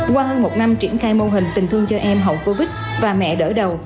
qua hơn một năm triển khai mô hình tình thương cho em hậu covid và mẹ đỡ đầu